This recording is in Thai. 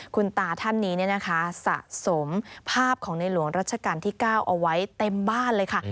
คุณตาท่านนี้สะสมภาพของในหลวงรัชกาลที่๙เอาไว้เต็มบ้านเลยค่ะ